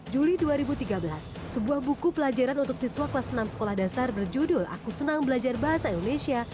juli dua ribu tiga belas sebuah buku pelajaran untuk siswa kelas enam sekolah dasar berjudul aku senang belajar bahasa indonesia